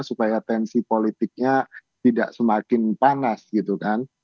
supaya tensi politiknya tidak semakin panas gitu kan